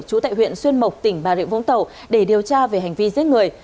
trú tại huyện xuyên mộc tỉnh bà rịa vũng tàu để điều tra về hành vi giết người